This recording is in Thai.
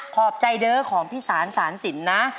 ขอบใจเด้อของพี่สารสารสินนะ